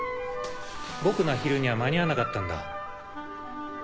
僕のアヒルには間に合わなかったんだ。